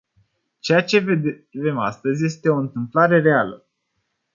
Ceea ce vedem astăzi este o întâmplare rară.